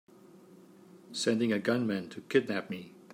Sending a gunman to kidnap me!